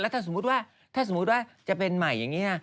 ถ้าสมมติว่าจะเป็นไหมอย่างนี้